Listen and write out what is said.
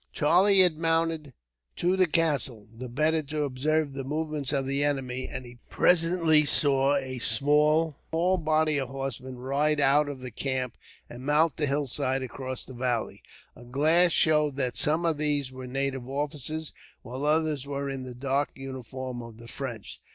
Charlie had mounted to the castle, the better to observe the movements of the enemy, and he presently saw a small body of horsemen ride out of the camp, and mount the hillside across the valley. A glass showed that some of these were native officers, while others were in the dark uniform of the French.